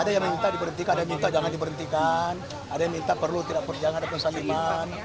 ada yang minta diberhentikan ada yang minta jangan diberhentikan ada yang minta perlu tidak berjalan ada yang minta berhentikan